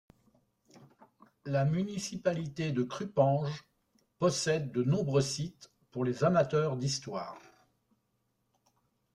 La municipalité de Krupanj possède de nombreux sites pour les amateurs d'histoire.